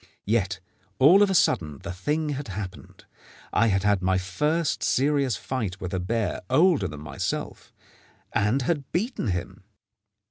Yet all of a sudden the thing had happened. I had had my first serious fight with a bear older than myself, and had beaten him.